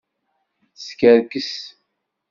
Teskerkes.